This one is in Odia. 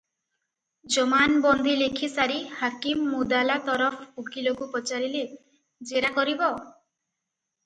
ଜବାନବନ୍ଦି ଲେଖିସାରି ହାକିମ ମୁଦାଲା ତରଫ ଉକୀଲକୁ ପଚାରିଲେ, "ଜେରା କରିବ?"